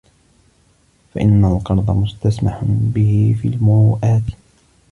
فَإِنَّ الْقَرْضَ مُسْتَسْمَحٌ بِهِ فِي الْمُرُوآت